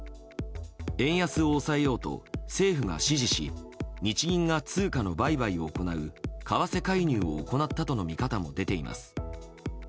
円安を抑えようと政府が指示し日銀が通貨の売買を行う為替介入を行ったとの見方も出ています。